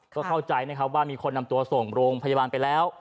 ก็เข้าใจนะครับว่ามีคนนำตัวส่งโรงพยาบาลไปแล้ว